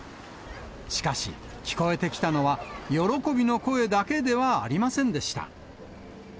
しかし、聞こえてきたのは喜びの声だけではありませんでした。